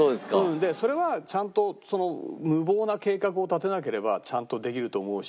でそれはちゃんと無謀な計画を立てなければちゃんとできると思うし。